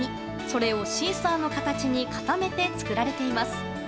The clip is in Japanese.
それをシーサーの形に固めて作られています。